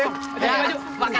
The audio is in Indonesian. ganti baju ya